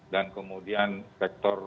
dan kemudian sektor